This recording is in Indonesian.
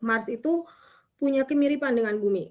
mars itu punya kemiripan dengan bumi